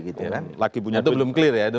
itu belum clear ya